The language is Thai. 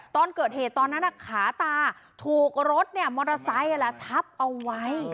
ตอนเกิดเหตุตอนนั้นขาตาถูกรถมอเตอร์ไซค์ทับเอาไว้